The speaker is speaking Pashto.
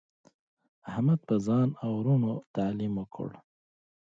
احمد په ځان او ورونو تعلیم وکړ.